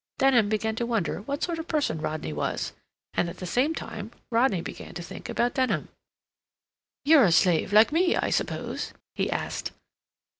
Denham began to wonder what sort of person Rodney was, and at the same time Rodney began to think about Denham. "You're a slave like me, I suppose?" he asked.